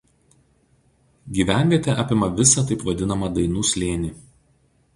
Gyvenvietė apima visą taip vadinamą „Dainų slėnį“.